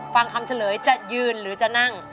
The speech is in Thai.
ฟังคำเฉลยจะยืนหรือจะนั่ง